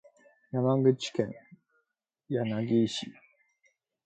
山口県柳井市